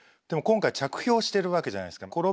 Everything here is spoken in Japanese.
でも今回着氷してるわけじゃないですか。